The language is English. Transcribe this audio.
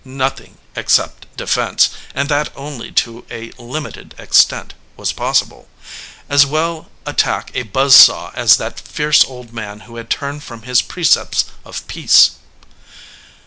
Nothing except defense, and that only to a limited extent, was possible. As well attack a buzz saw as that fierce old man who had turned from his precepts of peace.